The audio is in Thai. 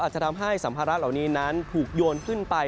จะทำให้สัมภาระเหล่านี้นั้นถูกโยนขึ้นไป